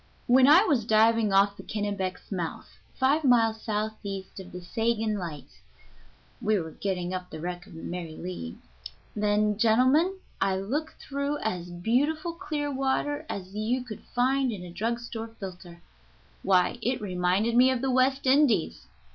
When I was diving off the Kennebec's mouth, five miles southeast of the Seguin light (we were getting up the wreck of the Mary Lee), then, gentlemen, I looked through as beautiful clear water as you could find in a drug store filter. Why, it reminded me of the West Indies.